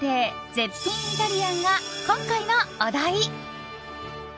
絶品イタリアンが今回のお題。